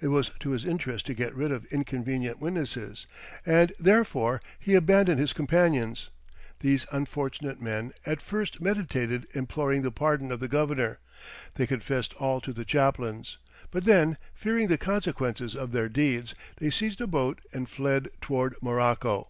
It was to his interest to get rid of inconvenient witnesses, and therefore he abandoned his companions. These unfortunate men at first meditated imploring the pardon of the governor; they confessed all to the chaplains, but then, fearing the consequences of their deeds, they seized a boat and fled towards Morocco.